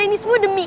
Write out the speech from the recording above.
ini semua demi